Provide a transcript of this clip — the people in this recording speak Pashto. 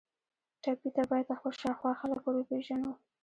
ټپي ته باید خپل شاوخوا خلک وروپیژنو.